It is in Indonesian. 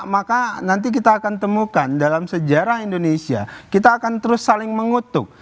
maka nanti kita akan temukan dalam sejarah indonesia kita akan terus saling mengutuk